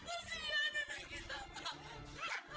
kau siapa anak kita pak